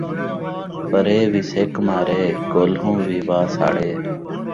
پرے وی سِک مارے، کولہوں وی وا ساڑے